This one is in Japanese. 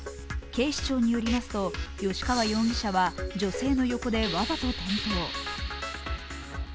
警視庁によりますと、吉川容疑者は女性の横でわざと転倒。